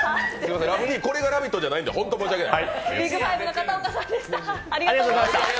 これが「ラヴィット！」じゃないんで、ホント申し訳ない。